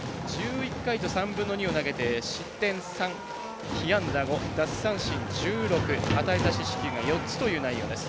１１回と３分の２を投げて失点３被安打５奪三振１６与えた四死球が４つという内容です。